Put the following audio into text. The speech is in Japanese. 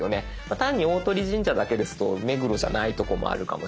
単に「大鳥神社」だけですと目黒じゃないとこもあるかもしれない。